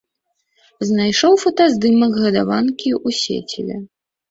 Знайшоў фотаздымак гадаванкі ў сеціве.